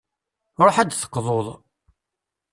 Ruḥ ad d-teqḍuḍ.